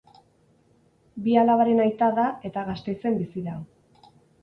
Bi alabaren aita da eta Gasteizen bizi da.